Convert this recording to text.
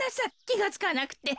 きがつかなくて。